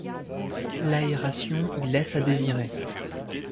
L’aération y laisse à désirer!